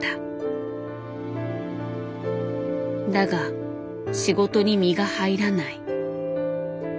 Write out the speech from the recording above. だが仕事に身が入らない。